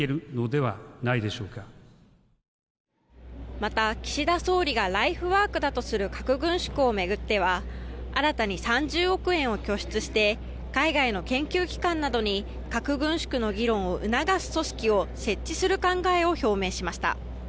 また、岸田総理がライフワークだとする核軍縮を巡っては新たに３０億円を拠出して海外の研究機関などに核軍縮の議論を促す組織を設置する考えを表明しました。